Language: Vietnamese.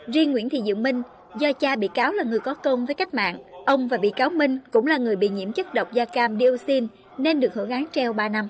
riêng nguyễn thị diệu minh do cha bị cáo là người có công với cách mạng ông và bị cáo minh cũng là người bị nhiễm chất độc da cam dioxin nên được hưởng án treo ba năm